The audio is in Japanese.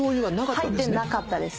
入ってなかったです。